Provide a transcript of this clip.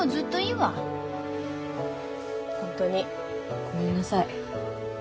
本当にごめんなさい。